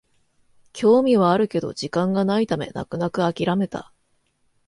興味はあるけど時間がないため泣く泣くあきらめた